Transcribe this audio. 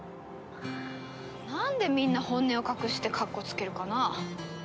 なんでみんな本音を隠してかっこつけるかな？